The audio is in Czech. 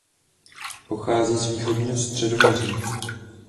Pochází z východního Středomoří.